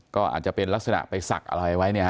ก็อาจจะเป็นลักษณะไปสักอะไรไว้นะฮะ